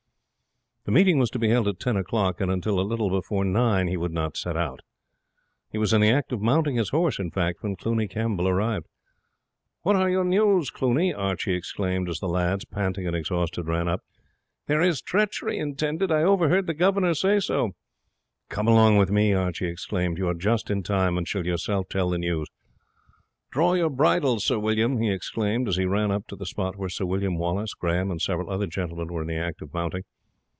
The meeting was to be held at ten o'clock, and until a little before nine he would not set out. He was in the act of mounting his horse when Cluny Campbell arrived. "What are your news, Cluny?" Archie exclaimed, as the lads, panting and exhausted, ran up. "There is treachery intended. I overheard the governor say so." "Come along with me," Archie exclaimed; "you are just in time, and shall yourself tell the news. Draw your bridle, Sir William," he exclaimed as he ran up to the spot where Sir William Wallace, Grahame, and several other gentlemen were in the act of mounting.